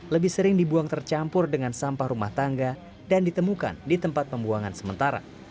lebih sering dibuang tercampur dengan sampah rumah tangga dan ditemukan di tempat pembuangan sementara